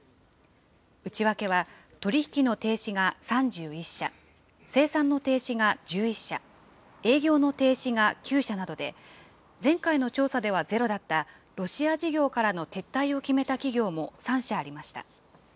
内訳は、取り引きの停止が３１社、生産の停止が１１社、営業の停止が９社などで、前回の調査ではゼロだったロシア事業からの撤退を決めた企業も３社ありました。